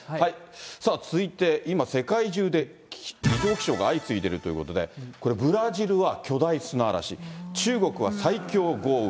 さあ続いて、今、世界中で異常気象が相次いでいるということで、これ、ブラジルは巨大砂嵐、中国は最強豪雨。